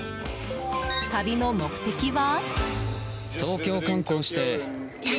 旅の目的は？